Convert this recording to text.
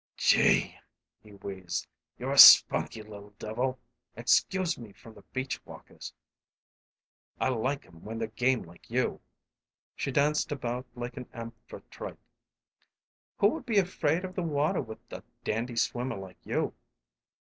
"Gee!" he wheezed. "You're a spunky little devil! Excuse me from the beach walkers; I like 'em when they're game like you." She danced about like an Amphitrite. "Who would be afraid of the water with a dandy swimmer like you?"